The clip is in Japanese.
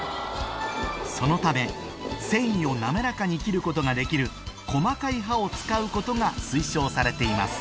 そのため繊維を滑らかに切ることができる細かい刃を使うことが推奨されています